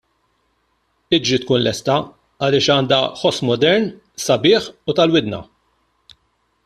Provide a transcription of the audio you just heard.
Iġri tkun lesta, għaliex għandha ħoss modern, sabiħ u tal-widna.